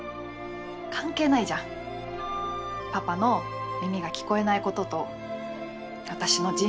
関係ないじゃんパパの耳が聞こえないことと私の人生。